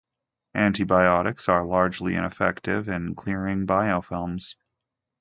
Antibiotics are largely ineffective in clearing biofilms.